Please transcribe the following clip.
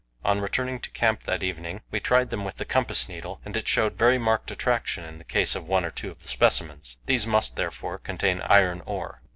On returning to camp that evening, we tried them with the compass needle, and it showed very marked attraction in the case of one or two of the specimens. These must, therefore, contain iron ore.